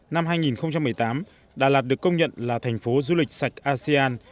năm hai nghìn một mươi tám đà lạt được công nhận là thành phố du lịch sạch asean